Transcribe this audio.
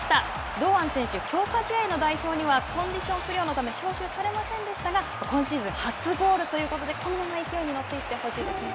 堂安選手強化試合の代表にはコンディション不良のため、招集されませんでしたが、今シーズン初ゴールということでこのまま勢いに乗っていってほしいですね。